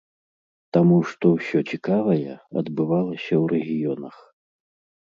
Таму што ўсё цікавае адбывалася ў рэгіёнах!